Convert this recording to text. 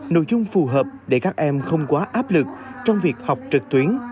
nội dung phù hợp để các em không quá áp lực trong việc học trực tuyến